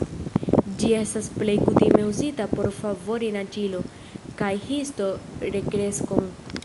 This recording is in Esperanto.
Ĝi estas plej kutime uzita por favori naĝilo- kaj histo-rekreskon.